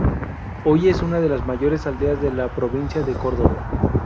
Hoy es una de las mayores aldeas de la provincia de Córdoba.